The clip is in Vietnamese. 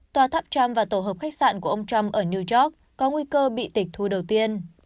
tòa tháp tràm và tổ hợp khách sạn của ông trump ở new york có nguy cơ bị tịch thu đầu tiên